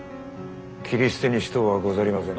斬り捨てにしとうはござりませぬ。